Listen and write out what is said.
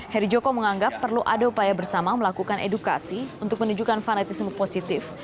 heri joko menganggap perlu ada upaya bersama melakukan edukasi untuk menunjukkan fanatisme positif